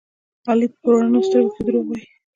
علي په رڼو سترګو کې دروغ وایي.